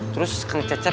terus kang cecep